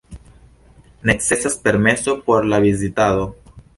Necesas permeso por la vizitado.